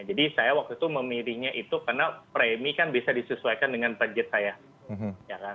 jadi saya waktu itu memilihnya itu karena premi kan bisa disesuaikan dengan budget saya